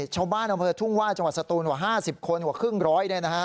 ชาวบ้านทุ่งว่าจังหวัดสตูนหัว๕๐คนหัวครึ่งร้อย